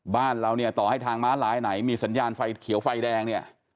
บ้านเราเนี่ยต่อให้ทางม้าลายไหนมีสัญญาณไฟเขียวไฟแดงเนี่ย